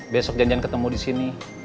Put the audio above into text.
besok janjian ketemu disini